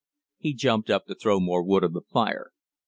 He jumped up to throw more wood on the fire.